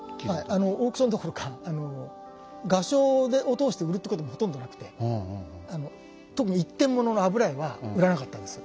あのオークションどころか画商を通して売るってこともほとんどなくて特に一点物の油絵は売らなかったんです。